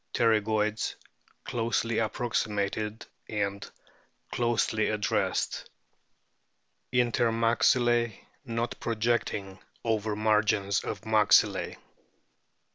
Pterygoids closely approximated and closely ad dressed. Inter maxilke not projecting over margins of maxillae.